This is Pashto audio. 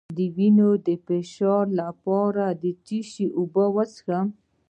د وینې د فشار لپاره د څه شي اوبه وڅښم؟